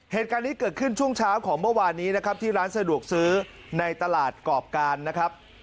เหตุการณ์นี้เกิดขึ้นช่วงเช้าของเมื่อวานนี้นะครับที่ร้านสะดวกซื้อในตลาดกรอบการนะครับ